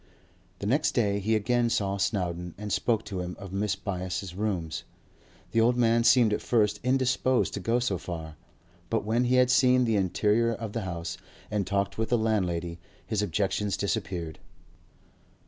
The next day he again saw Snowdon, and spoke to him of Mrs. Byass's rooms. The old man seemed at first indisposed to go so far; but when he had seen the interior of the house and talked with the landlady, his objections disappeared.